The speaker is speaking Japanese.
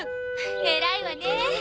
偉いわね。